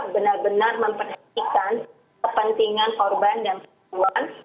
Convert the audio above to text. benar benar memperhatikan kepentingan korban dan perempuan